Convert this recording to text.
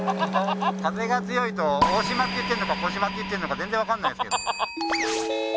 風が強いと大島って言ってんのか児嶋って言ってんのか全然わかんないんですけど。